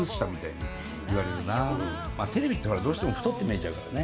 まあテレビってどうしても太って見えちゃうからね。